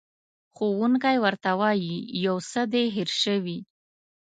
ښوونکی ورته وایي، یو څه دې هېر شوي.